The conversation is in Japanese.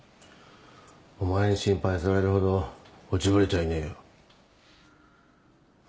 お前に心配されるほど落ちぶれちゃいねえよ。